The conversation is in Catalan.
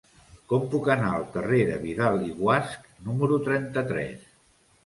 Com puc anar al carrer de Vidal i Guasch número trenta-tres?